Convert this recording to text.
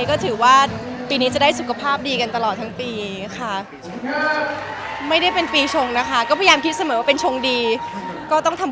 ก็ถือว่าปีนี้จะได้สุขภาพดีกันตลอดทั้งปีค่ะ